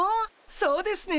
そうですね。